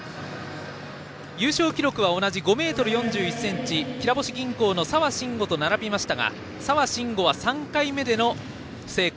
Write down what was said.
優勝記録は同じ５ｍ４１ｃｍきらぼし銀行の澤慎吾と並びましたが澤慎吾は３回目での成功。